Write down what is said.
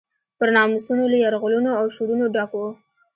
پر ناموسونو له یرغلونو او شورونو ډک و.